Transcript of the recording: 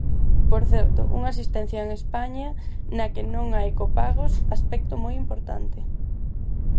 Por certo, unha asistencia en España na que non hai copagos; aspecto moi importante.